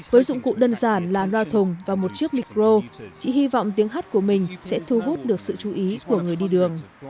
với dụng cụ đơn giản là loa thùng và một chiếc micro chị hy vọng tiếng hát của mình sẽ thu hút được sự chú ý của người đi đường